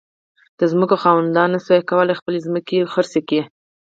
د ځمکو خاوندانو نه شوای کولای خپلې ځمکې وپلوري.